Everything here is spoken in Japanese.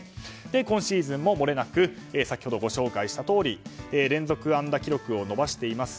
今シーズンももれなく先ほどご紹介したとおり連続安打記録を伸ばしています